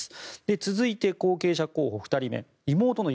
続いて、後継者候補２人目妹の与